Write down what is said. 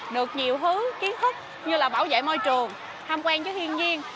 được nhiều thứ kiến thức như là bảo vệ môi trường thăm quan với thiên nhiên